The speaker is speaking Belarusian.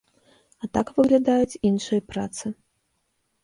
А так выглядаюць іншыя працы.